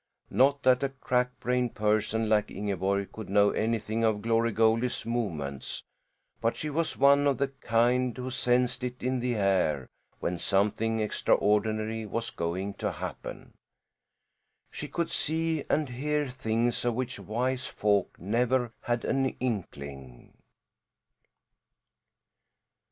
Not that a crack brained person like Ingeborg could know anything of Glory Goldie's movements; but she was one of the kind who sensed it in the air when something extraordinary was going to happen. She could see and hear things of which wise folk never had an inkling.